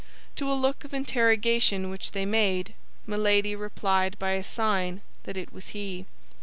To a look of interrogation which they made, Milady replied by a sign that it was he.